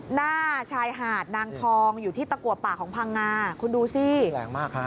หน้าชายหาดนางทองอยู่ที่ตะกัวป่าของพังงาคุณดูสิแรงมากฮะ